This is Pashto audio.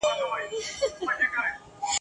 چي د دواړو په شعرونو کي !.